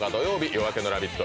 「夜明けのラヴィット！」